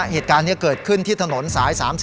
เหตุการณ์นี้เกิดขึ้นที่ถนนสาย๓๔